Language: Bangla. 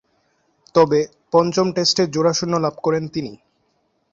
তবে, পঞ্চম টেস্টে জোড়া শূন্য লাভ করেন তিনি।